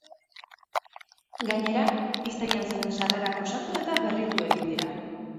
Gainera, hiztegian zeuden sarrerak osatu eta berritu egin dira.